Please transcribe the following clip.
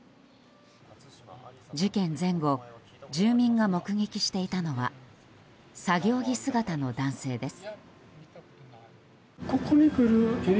事件前後住民が目撃していたのは作業着姿の男性です。